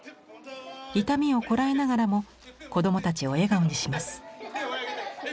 痛みをこらえながらも子どもたちを笑顔にします。